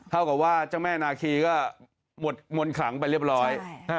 เท่ากับว่าเจ้าแม่นาคีก็หมดมนต์ขลังไปเรียบร้อย